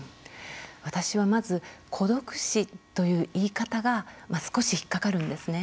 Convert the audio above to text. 私はまず、孤独死という言い方が少しひっかかるんですね。